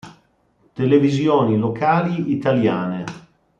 Televisioni locali italiane